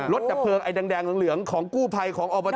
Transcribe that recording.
รถแต่เผลอแดงเหลืองของกู้ภัย